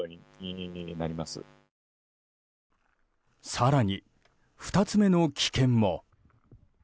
更に、２つ目の危険も。